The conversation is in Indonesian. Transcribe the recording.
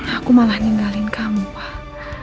aku malah ninggalin kamu pak